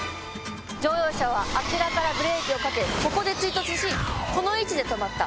乗用車はあちらからブレーキをかけここで追突しこの位置で止まった。